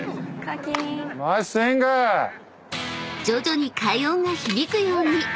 ［徐々に快音が響くように］